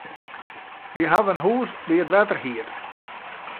Wy hawwe in hûs by it wetter hierd.